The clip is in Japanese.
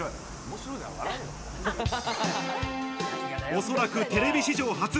おそらくテレビ史上初。